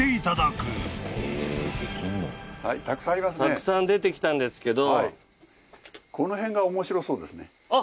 たくさん出てきたんですけど。